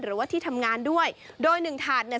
หรือว่าที่ทำงานด้วยโดยหนึ่งถาดเนี่ย